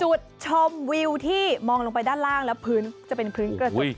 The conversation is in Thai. จุดชมวิวที่มองลงไปด้านล่างแล้วพื้นจะเป็นพื้นกระจก